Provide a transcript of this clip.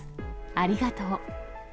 ありがとう。